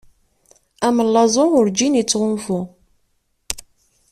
Amellaẓu urǧin ittɣunfu.